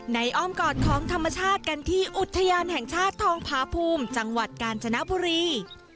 อ้อมกอดของธรรมชาติกันที่อุทยานแห่งชาติทองพาภูมิจังหวัดกาญจนบุรี